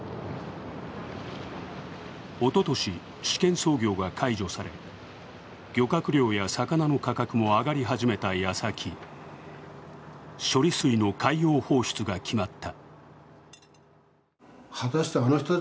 おととし、試験操業が解除され、漁獲量や魚の価格も上がり始めたやさき、処理水の海洋放出が決まった。